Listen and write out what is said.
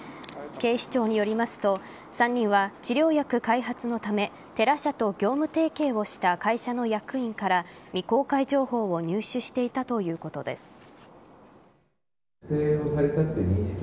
警視庁によりますと３人は治療薬開発のためテラ社と業務提携をした会社の役員から未公開情報を入手していたということです。